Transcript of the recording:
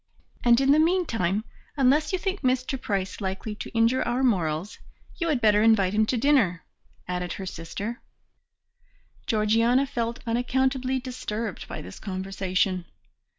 "And in the meantime, unless you think Mr. Price likely to injure our morals, you had better invite him to dinner," added her sister. Georgiana felt unaccountably disturbed by this conversation.